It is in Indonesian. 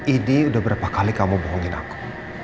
idi udah berapa kali kamu bohongin aku